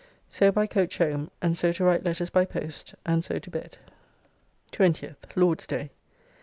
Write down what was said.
So by coach home, and so to write letters by post, and so to bed. 20th (Lord's day).